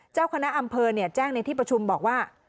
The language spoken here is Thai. เจ้าคณะอำเภอแจ้งในที่ประชุมบอกว่า